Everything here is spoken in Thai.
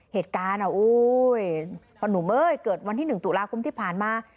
เหตุการณ์อ่ะโอ้โหพอหนูเมื่อยเกิดวันที่๑ตุลาคมที่ผ่านมา